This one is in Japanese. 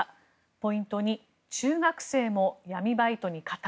ポイント２。中学生も闇バイトに加担。